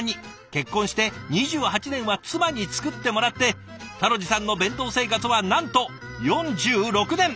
結婚して２８年は妻に作ってもらってたろじさんの弁当生活はなんと４６年！